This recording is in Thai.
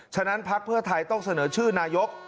นั้นพักเพื่อไทยต้องเสนอชื่อนายก